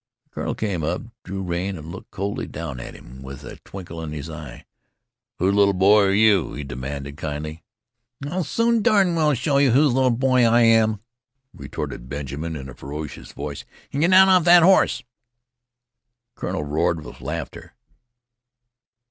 The colonel came up, drew rein, and looked coolly down at him with a twinkle in his eyes. "Whose little boy are you?" he demanded kindly. "I'll soon darn well show you whose little boy I am!" retorted Benjamin in a ferocious voice. "Get down off that horse!" The colonel roared with laughter.